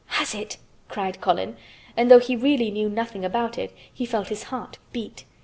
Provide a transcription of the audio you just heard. "Has it?" cried Colin, and though he really knew nothing about it he felt his heart beat.